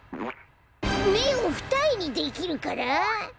めをふたえにできるから？